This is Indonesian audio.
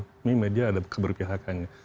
ini media ada keberpihakannya